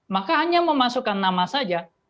maka hanya memasukkan nama saja